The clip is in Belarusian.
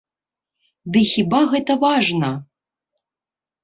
Ды хіба гэта важна?